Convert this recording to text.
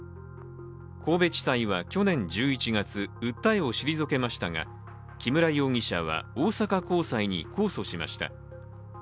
神戸地裁は去年１１月、訴えを退けましたが木村容疑者は大阪高裁に控訴しました。